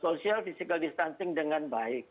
apakah kita melakukan physical distancing dengan baik